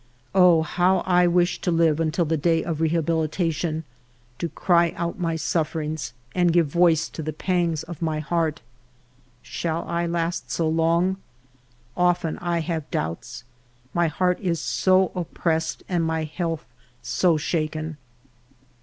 Oh, how I wish to live until the day of reha bilitation, to cry out my sufferings, and give voice to the pangs of my heart ! Shall I last so long ? Often I have doubts, my heart is so oppressed and my health so shaken.